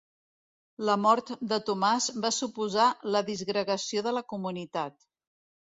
La mort de Tomàs va suposar la disgregació de la comunitat.